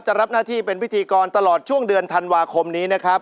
รับหน้าที่เป็นพิธีกรตลอดช่วงเดือนธันวาคมนี้นะครับ